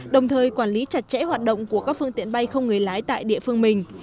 đồng thời quản lý chặt chẽ hoạt động của các phương tiện bay không người lái tại địa phương mình